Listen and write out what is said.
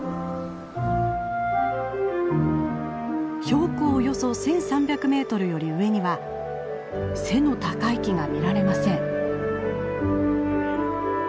標高およそ１，３００メートルより上には背の高い木が見られません。